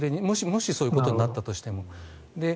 もしそういうことになったとしても。